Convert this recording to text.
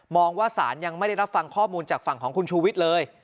ว่าสารยังไม่ได้รับฟังข้อมูลจากฝั่งของคุณชูวิทย์เลย